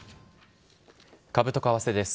株と為替です。